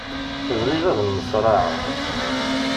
Bɣiɣ ad nneṣraɛeɣ.